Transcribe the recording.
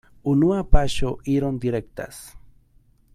Unua paŝo iron direktas.